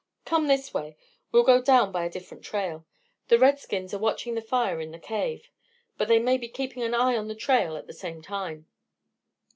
"Come this way; we'll go down by a different trail. The redskins are watching the fire in the cave, but they may be keeping an eye on the trail at the same time."